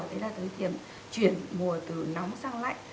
đấy là thời điểm chuyển mùa từ nóng sang lạnh